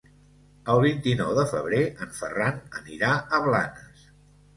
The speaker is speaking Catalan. El vint-i-nou de febrer en Ferran anirà a Blanes.